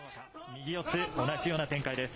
右四つ、同じような展開です。